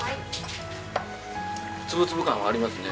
粒々感はありますね。